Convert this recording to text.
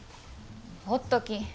ほっとき。